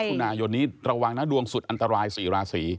ุนายนนี้ระวังนะดวงสุดอันตราย๔ราศี